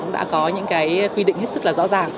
đã có những quy định rất rõ ràng